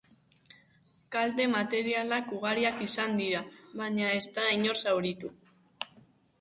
Kalte materialak ugariak izan da, baina ez da inor zauritu.